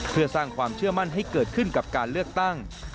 เพื่อสร้างความเชื่อมั่นให้เกิดขึ้นกับการเลือกตั้ง